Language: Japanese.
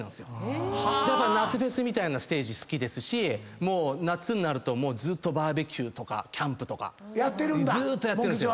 だから夏フェスみたいなステージ好きですし夏になるとずっとバーベキューとかキャンプとかずっとやってるんです。